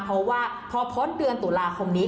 เพราะว่าพอพ้นเดือนตุลาคมนี้